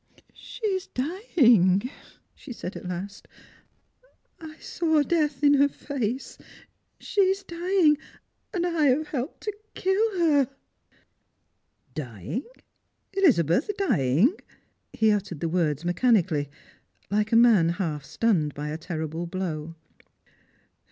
" She is dying !" she said at last; " I saw death in her face. She is dying; and I have helped to kill her !"" Dying ! Elizabeth dying !" He uttered the words mecha nically, like a man half stunned by a terrible blow.